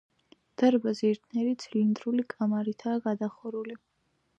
დარბაზი ერთიანი ცილინდრული კამარითაა გადახურული.